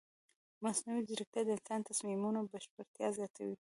مصنوعي ځیرکتیا د انساني تصمیمونو بشپړتیا زیاتوي.